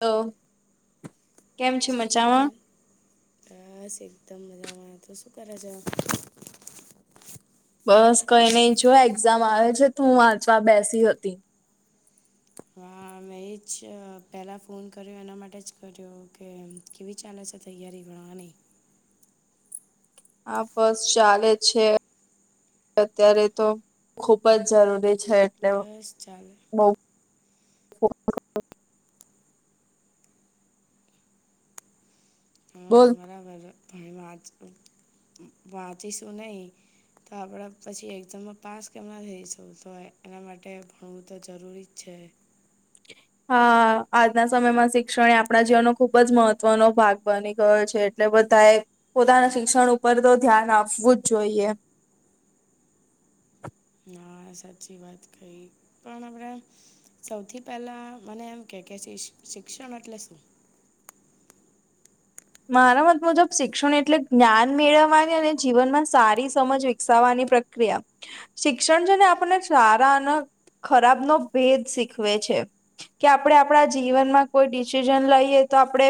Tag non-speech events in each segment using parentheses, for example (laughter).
તો કેમ છે શું મજામાં? કેમ? બસ, એકદમ મજામાં, તુ શું કરે છે? બસ કંઈ નઈ જો એક્ઝામ આવે છે, તું વાંચવા બેસી હતી. હા મેં એજ પહેલાં ફોન કર્યો એના માટે જ કર્યો, કે કેવી ચાલે છે તૈયારી ભણવાની? હા પસ ચાલે છે. અત્યારે તો, ખુબજ જરૂરી છે. એટલે બસ ચાલે. બઉ (inaudible) હા બોલ બરાબર, ભણવા આજકલ વાંચીશું નહિ. તો આપણે પછી એક્ઝામમાં પાસ કેમના થઈશું, તો એના માટે ભણવું તો જરૂરીજ છે. (inaudible) હા, આજના સમયમાં શિક્ષણ આપણા જીવનનો ખુબ જ મહત્વનો ભાગ બની ગયો છે. જો બધાએ, પોતાના શિક્ષણ ઉપરતો ધ્યાન આપવુંજ જોઈએ. હા સાચી વાત કહી, પણ હમણાં સૌથી પહેલા મને એમ કે, કે શિક્ષણ એટલે શું? મારા મત મુજબ, શિક્ષણ એટલે જ્ઞાન મેળવવાની, અને જીવનમાં સારી સમજ વિકસાવવાની પ્રક ક્રિયા શિક્ષણ છેને આપણને સારા અને ખરાબનો ભેદ શીખવે છે. કે આપડે આપડા જીવનમાં કોઈ ડિસિઝન લઈએ તો આપડે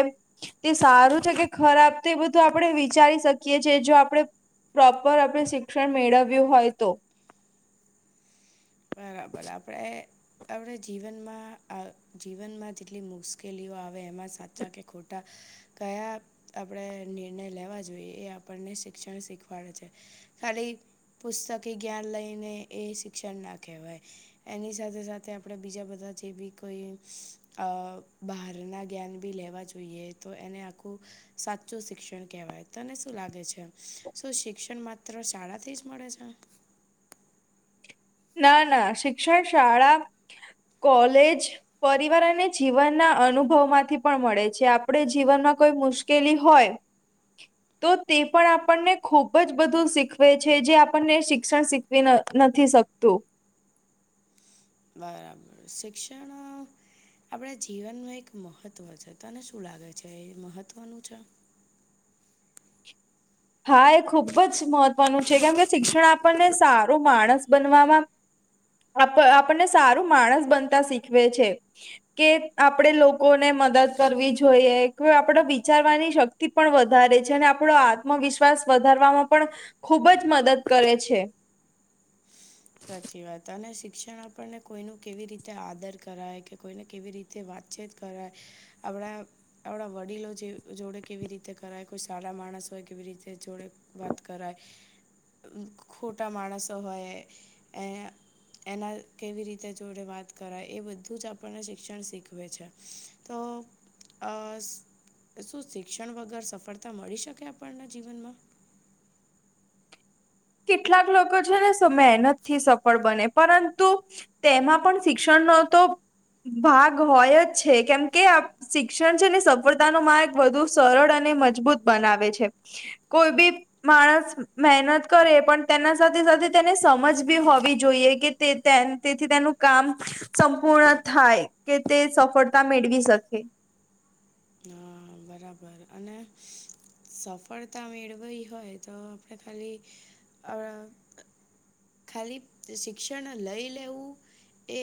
તે સારું છે કે ખરાબ તો એ બધું આપણે વિચારી શકીએ છીએ, જો આપડે પ્રોપર આપણે શિક્ષણ મેળવ્યું હોય તો. બરાબર, આપડે આપણે જીવનમાં, આ જીવનમાં જેટલી મુશ્કેલીઓ આવે એમાં સાચા કે ખોટા. કયા આપણેે નિર્ણય લેવા જોઈએ, એ આપણને શિક્ષણ શીખવાડે છે. ખાલી પુસ્તકી જ્ઞાન લઈને એ શિક્ષણ ના કહેવાય. એની સાથે સાથે, આપણે બીજા બધા જે બી કોઈ અ બહાર ના જ્ઞાન બી લેવા છે. જોઈએ તો એને આખું. સાચું શિક્ષણ કેવાય, તને શું લાગે છે? શું શિક્ષણ માત્ર શાળા થી જ મળે છે? ના, ના, શિક્ષણ શાળા કોલેજ. પરિવારને જીવનના અનુભવ માંથી પણ મળે છે, આપણે જીવનમાં કોઈ મુશ્કેલી હોય. (unintelligible) તો તે પણ આપણને ખૂબ જ બધું શીખવે છે, જે આપણને શિક્ષણ શીખવી નથી શકતા. તો. બરાબર, શિક્ષણ. આપણા જીવનનું એક મહત્ત્વ છે, તને શું લાગે છે? એ મહત્ત્વનું છે. હા, એ ખુબ જ મહત્વનું છે, કેમ કે શિક્ષણ આપણને સારો માણસ બનવામાં. આપ આપણને સારું માણસ બનતા શીખવે છે. કે આપડે લોકોને મદદ કરવી જોઈએ કે આપડો વિચારવાની શ થી પણ વધારે છે અને આપણો આત્મવિશ્વાસ વધારવામાં પણ ખૂબ જ મદદ કરે છે. સાચી વાત, અને શિક્ષણ આપણને કોઈનું કેવી રીતે આદર કરાય કે કોઈને કેવી રીતે તે વાતચીત કરાય, આપણા. આપણા વડીલો જે જોડે કેવી રીતે કરાય, કોઈ સારા માણસ હોય કેવી રીતે જોડે. વાત કરાય, ખોટા માણસો હોય એ. એના કેવી રીતે જોડે વાત કરાય, એ બધું જ આપણને શિક્ષણ શીખવે છે. તો, અ. શું શિક્ષણ વગર સફળતા મળી શકે આપણના જીવનમાં? કેટલાક લોકો છે ને, મહેનત થી સફળ બને, પરંતુ તેમાં પણ શિક્ષણનો તો ભાગ હોય જ છે, કેમ કે. શિક્ષણ છે ને, સફળતાનો માર્ગ વધુ સરળ અને મજબૂત બનાવે છે. કોઈ ભી માણસ મહેનત. કરે, પણ તેના સાથે સાથે તેને સમજ બી હોવી જોઈએ કે તેથી તેનું કામ સંપૂર્ણ થાય કે તે સફળતા મેળવી શકે. હા, બરાબર, અને સફળતા મેળવાઈ હોય તો, આપડે ખાલી. ખાલી શિક્ષણ લઈ લેવું.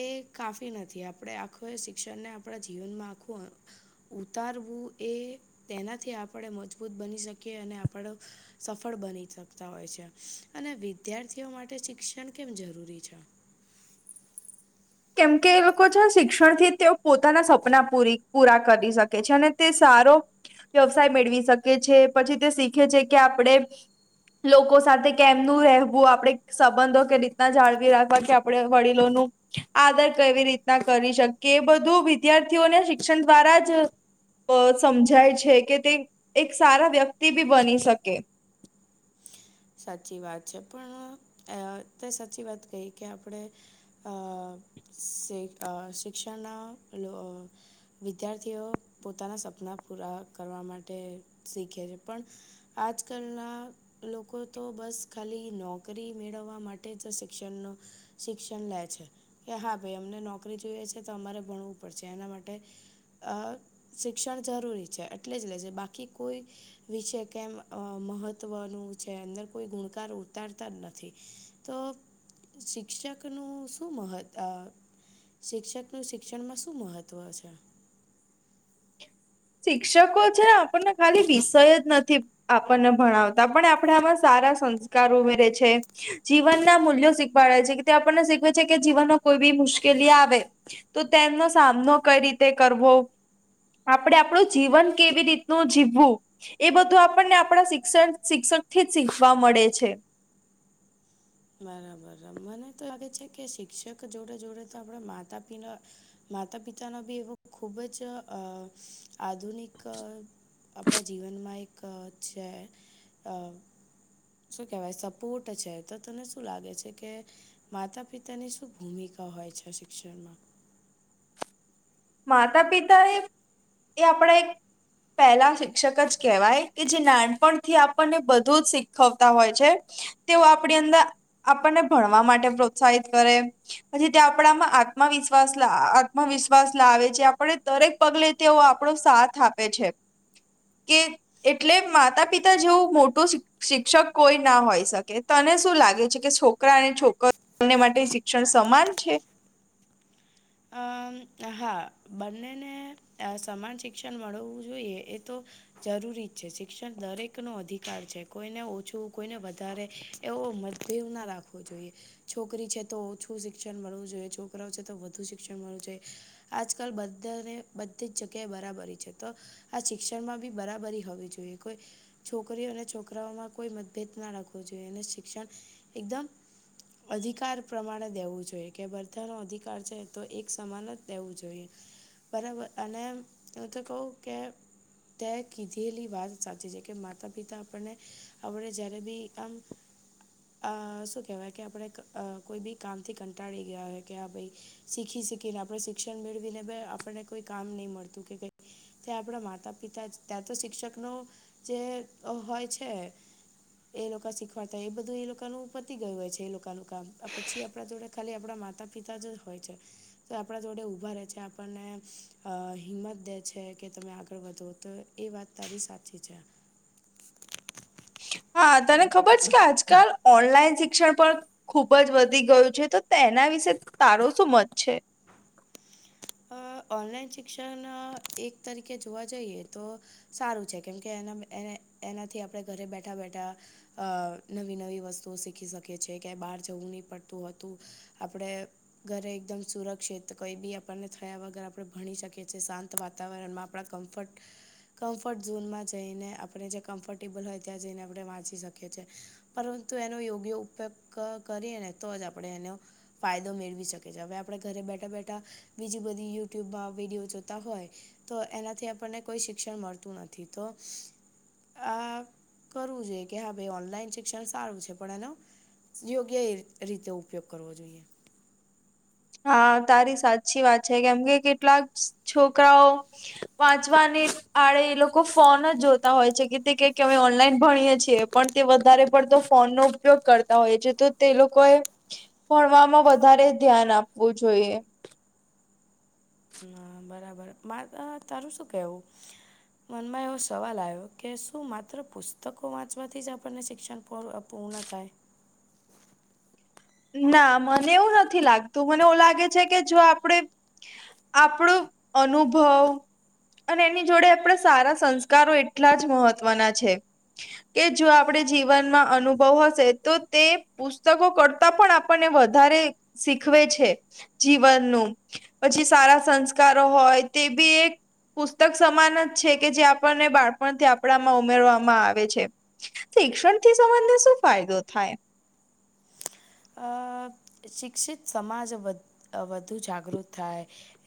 એ કાફી નથી, આપણે આખું એ શિક્ષણને આપણા જીવનમાં આખું ઉતારવું, એ તેનાથી આપણે મજબૂત બની શકીએ અને આપણે સફળ બની શકતા હોય છે અને વિદ્યાર્થીઓ માટે શિક્ષણ કેમ જરૂરી છે? કેમકે એ લોકો છે, શિક્ષણથી તે પોતાના સપના પૂરી પૂરા કરી શકે છે અને તે સારો વ્યવસાય મેળવી શકે છે, પછી તે શીખે છે કે આપણે લોકો સાથે કેમનું રહેવું, આપણે સંબંધો કે રીતના જાળવી રાખવા, કે આપણે વડીલોનું આદર કેવી રીતના કરી શકે, એ બધું વિદ્યાર્થીઓને શિક્ષણ દ્વારા જ અ સમજાય છે કે તે એક સારા વ્યક્તિ બી બની શકે. સાચી વાત છે, પણ તે સાચી વાત કહી કે આપણે સ શિક્ષણ લો (unintelligible) વિદ્યાર્થીઓ પોતાના સપના પૂરા કરવા માટે શીખે છે, પણ આજકલના લોકો. તો બસ ખાલી નોકરી મેળવવા માટે જ શિક્ષણનો. શિક્ષણ લે છે કે, હા ભાઈ, અમને નોકરી જોઈએ છે, તો અમારે ભણવું પડશે એના માટે. શિક્ષણ જરૂરી છે એટલે જ લે છે, બાકી કોઈ. વિશે કેમ મહત્વનું છે અંદર. કોઈ ગુણકાર ઉતારતા જ નથી તો. શિક્ષકનું શું મહત્વ? શિક્ષકનું શિક્ષણમાં શું મહત્ત્વ છે? શિક્ષકો છે ને, આપણને ખાલી વિષય જ નથી. આપણને ભણાવતા પણ આપણા આમાં સારા સંસ્કાર ઉમેરે છે. જીવનના મૂલ્યો શીખવાડે છે કે તે આપણને શીખવે છે કે જીવનમાં કોઈ બી મુશ્કેલી આવે. તો તેમનો સામનો કઈ રીતે કરવો? આપણે આપણું જીવન કેવી રીતનું જીવવું. એ બધું આપણને આપણા શિક્ષણ શિક્ષક થી જ શીખવા મળે છે. બરાબર મને તો લાગે છે કે શિક્ષક જોડે જોડે તો આપણા માતા પિના માતા પિતાનો બી એવો ખૂબ જ અ આધુનિક આપણા જીવનમાં એક છે. અ શું કેહેવાય સપોર્ટ છે. તો તને શું લાગે છે કે માતા પિતાની શું ભૂમિકા હોય છે શિક્ષણમાં? માતા પિતાએ એ આપણા એક પહેલા શિક્ષક જ કહેવાય કે જે નાનપણથી આપણને બધું જ શીખવતા હોય છે. તેઓ આપણી અંદર આપણને ભણવા માટે પ્રોત્સાહિત કરે. પછી તે આપણામાં આત્મવિશ્વાસ લા આત્મવિશ્વાસ લાવે છે. આપણે દરેક પગલે તેઓ આપણો સાથ આપે છે. કે એટલે માતા પિતા જેવું મોટું શિક્ષક કોઈ ના હોય શકે. તને શું લાગે છે કે છોકરા અને છોક એમને માટે શિક્ષણ સમાન છે? અમ હા બંનેને સમાન શિક્ષણ મળવું જોઈએ એ તો જરૂરી જ છે. શિક્ષણ દરેકનો અધિકાર છે. કોઈને ઓછું કોઈને વધારે એવો મતભેદ ના રાખવો જોઈએ. છોકરી છે તો ઓછું શિક્ષણ મળવું જોઈએ, છોકરાઓ છે તો વધુ શી શિક્ષણ મળવું જોઈએ. આજકાલ બધાને બધી જ જગ્યાએ બરાબરી છે તો આ શિક્ષણમાં બી બરાબરી હોવી જોઈએ. કોઈ છોકરીઓ અને છોકરાઓમાં કોઈ મતભેદ ના રાખવો જોઈએ. અને શિક્ષણ એકદમ અધિકાર પ્રમાણે દેવું જોઈએ કે બધાં નો અધિકાર છે. તો એક સમાન જ દેવું જોઈએ. બરાબર અને હું તો કહું કે તે કીધેલી વાત સાચી છે. કે માતા પિતા આપણને આપણે જ્યારે બી આમ અ શું કેહેવાય કે આપણે કોઈ બી કામથી કંટાળી ગયા હોય કે આ ભાઈ શીખી શીખીને આપણે શિક્ષણ મેળવીને આપણને કોઈ કામ નહી મળતું કે તે આપણા માતા પિતા જ ત્યાં તો શિક્ષક નો જે હોય છે. એ લોકો શીખવાડતા એ બધું એ લોકોનું પતી ગયું હોય છે. એ લોકોનું કામ પછી આપણા જોડે ખાલી આપણા માતા પિતા જ હોય છે. તો આપણા જોડે ઉભા રહેે છે. આપણને અ હિંમત દે છે કે તમે આગળ વધો તો એ વાત તારી સાચી છે. હા તને ખબર છે કે આજકાલ ઓનલાઈન શિક્ષણ પર ખુબ જ વધી ગયું છે. તો તેના વિશે તારો શું મત છે? અ ઓનલાઈન શિક્ષણ એક તરીકે જોવા જઈએ તો સારું છે. કેમ કે એના એનાથી આપણે ઘરે બેઠા બેઠા અ નવી નવી વસ્તુઓ શીખી શકે છે. ક્યાંય બાર જવું નહી પડતું હોતું. આપણેે ઘરે એકદમ સુરક્ષિત કઈ બી આપ આપણને થયા વગર આપણે ભણી શકીએ છીએ. શાંત વાતાવરણમાં આપણા કમ્ફર્ટ કમ્ફર્ટ ઝોનમાં જઈને આપણે જ્યાં કમ્ફર્ટેબલ હોય ત્યાં જઈને આપણે વાંચી શકીએ છીએ. પરંતુ એનો યોગ્ય ઉપયોગ કરીએ ને તો જ આપણે એનો ફાયદો મેળવી શકીએ છીએ. હવે આપણે ઘરે બેઠા બેઠા બીજી બધી યુટ્યુબમાં વિડીયો જોતા હોય. તો એનાથી આપણને કોઈ શિક્ષણ મળતું નથી. તો આ કરવું જોઈએ કે હા ભાઈ ઓનલાઈન શિક્ષણ સારું છે. પણ એનો યોગ્ય એ રીતે ઉપયોગ કરવો જોઈએ. હા તારી સાચી વાત છે કેમ કે કેટલાક છોકરાઓ વાંચવાની આડે એ લોકો ફોન જ જોતા હોય છે કે તે કક અમે ઓનલાઈન ભણીએ છીએ પણ તે વધારે પડતો ફોનનો ઉપયોગ કરતા હોય છે તો તે લોકોએ ભણવામાં વધારે ધ્યાન આપવું જોઈએ હા બરાબર મારે તારું શું કેવું મનમાં એવો સવાલ આવ્યો કે શું માત્ર પુસ્તકો વાંચવાથી જ આપણને શિક્ષણ પૂર્ણ થાય ના મને એવું નથી લાગતું મને એવું લાગે છે કે જો આપડે આપણો અનુભવ અને એની જોડે આપણે સારા સંસ્કારો એટલા જ મહત્વના છે કે જો આપણે જીવનમાં અનુભવ હશે તો તે પુસ્તકો કર તા પણ આપણને વધારે શીખવે છે જીવનનું પછી સારા સંસ્કારો હોય તે બી એક પુસ્તક સમાન જ છે કે જે આપણને બાળપણથી આપણામાં ઉમેરવામાં આવે છે શિક્ષણથી સંબંધને શું ફાયદો થાય શિક્ષિત સમાજ વધુ જાગૃત થાય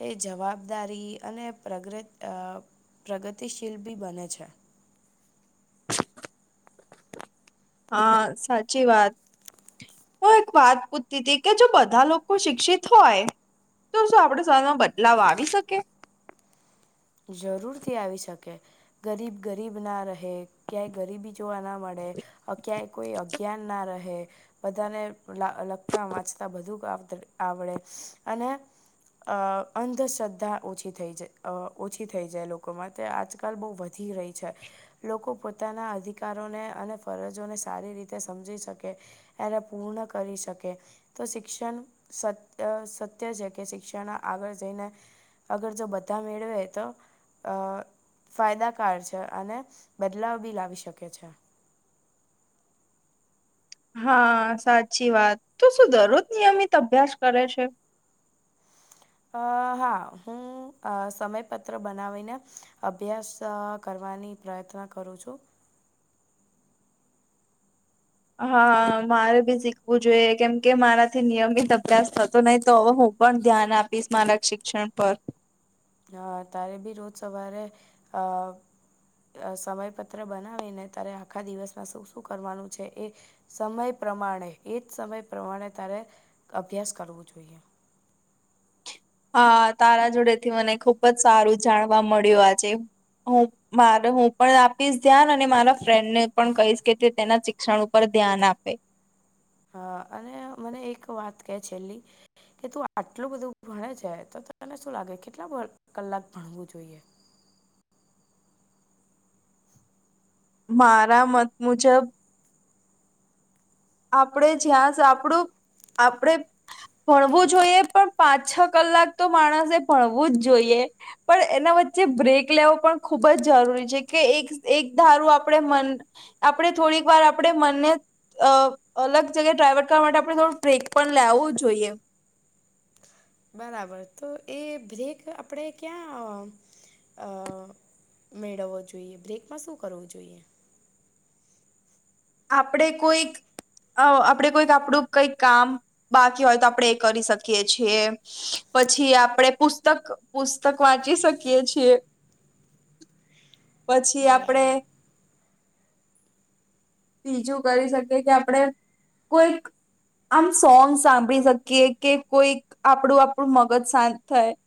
એ જવાબદારી અને પ્રગ અ પ્રગતિશીલ બી બને છે હા સાચી વાત હું એક વાત પૂછતી હતી કે જો બધા લોકો શિક્ષિત હોય તો શું આપડ શમાં બદલાવ આવી શકે જરૂરથી આવી શકે ગરીબ ગરીબ ના રહે ક્યાંય ગરીબી જોવા ના મળે ક્યાંય કોઈ અજ્ઞાન ના રહે બધાને લખતા વાંચતા બધું આવડે અને અ અંધશ્રદ્ધા ઓછી થઈ જાય ઓછી થઈ જાય લોકોમાં તે આજકાલ બહુ વધી રહી છે લોકો પોતાના અધિકારોને અને ફરજોને સારી રીતે સમજી શકે એને પૂર્ણ કરી શકે તો શિક્ષણ સત સત્ય છે કે શિક્ષણ આગળ જઈને અગર જો બધા મેળવે તો ફાયદાકાર છે અને બદલાવ બી લાવી શકે છે હા સાચી વાત તો શું દરરોજ નિયમિત અભ્યાસ કરે છે અ હા હું સમયપત્ર બનાવીને અભ્યાસ કરવાની પ્રયત્ન કરું છું હા મારે ભી શીખવું જોઈએ કેમ કે મારાથી નિયમિત અભ્યાસ થતો નહી તો હું પણ ધ્યાન આપીશ મારા શિક્ષણ પર અ તારે બી રોજ સવારે અ અ સમયપત્ર બનાવીને ત્યારે આખા દિવસમાં શું શું કરવાનું છે એ સમય પ્રમાણે એ જ સમય પ્રમાણે તારે અભ્યાસ કરવો જોઈએ હા તારા જોડે થી મને ખુબ જ સારું જાણવા મળ્યું આજે હું મારે હું પણ આપીશ ધ્યાન અને મારા ફ્રેન્ડ ને પણ કહીશ કે તે તેના શિક્ષણ ઉપર ધ્યાન આપે હા અને મને એક વાત કે છેલ્લી કે તું આટલું બધું ભણે છે તો તને શું લાગે કેટલા કલાક ભણવું જોઈએ મારા મત મુજબ આપણેે જ્યાં આપડું આપણેે ભણવું જોઈએ પણ પાંચ છ કલાક તો માણસે ભણવું જ જોઈએ પણ એના વચ્ચે બ્રેક લેવો પણ ખૂબ જ જરૂરી છે કે એક એક ધારું આપણે મન આપણે થોડીક વાર આપણે મનને અ અલગ જગ્યાએ ડ્રાઈવડ કરવા માટે આપણે થોડું બ્રેક પણ લાવું જોઈએ બરાબર તો એ બ્રેક આપણે ક્યાં અ મેળવવો જોઈએ બ્રેકમાં શું કરવું જોઈએ આપણે કોઈક અ આપણે કોઈક આપડું કઈક કામ બાકી હોય તો આપણે એ કરી શકીએ છીએ પછી આપડે પુસ્તક પુસ્તક વાંચી શકીએ છીએ (inaudible) પછી આપડે બરાબર બીજું કરી શકી કે આપણે કોઈક આમ સોંગ સાંભળી શકીએ કે કોઈક આપણું આપણું મગજ શાંત થાય